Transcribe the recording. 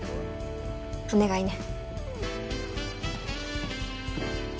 お願いね。